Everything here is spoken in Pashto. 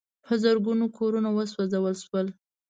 په زرګونو کورونه وسوځول شول.